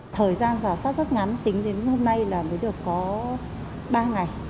thời gian giả soát rất ngắn tính đến hôm nay là mới được có ba ngày